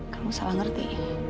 kamu salah ngerti